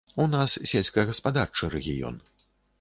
У нас сельскагаспадарчы рэгіён.